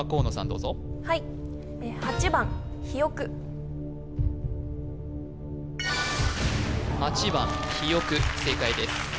どうぞはい８番ひよく正解です